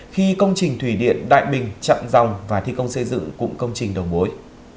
khi công trình thủy điện đại bình chặn dòng và thi công xây dựng cũng công trình đồng bối